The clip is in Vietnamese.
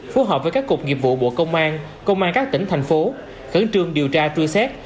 phù hợp với các cục nghiệp vụ bộ công an công an các tỉnh thành phố khẩn trương điều tra truy xét